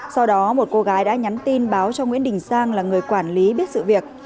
sau đó một cô gái đã nhắn tin báo cho nguyễn đình sang là người quản lý biết sự việc